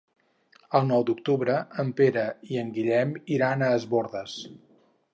El nou d'octubre en Pere i en Guillem iran a Es Bòrdes.